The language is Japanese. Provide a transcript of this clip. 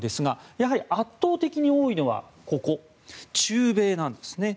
やはり圧倒的に多いのは中米なんですね。